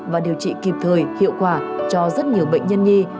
và điều trị kịp thời hiệu quả cho rất nhiều bệnh nhân nhi